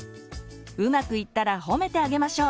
うまくいったら褒めてあげましょう。